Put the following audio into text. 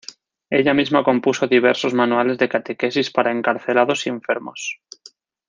Ella misma compuso diversos manuales de catequesis para encarcelados y enfermos.